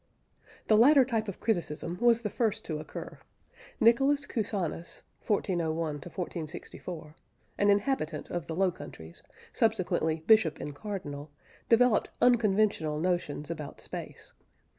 The latter type of criticism was the first to occur. Nicholas Cusanus (1401 1464), an inhabitant of the Low Countries, subsequently bishop and cardinal, developed unconventional notions about Space.